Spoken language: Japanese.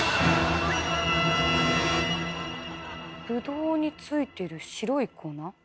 ブドウに付いてる白い粉？